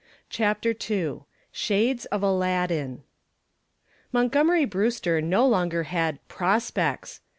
CHAPTER II SHADES OF ALADDIN Montgomery Brewster no longer had "prospects."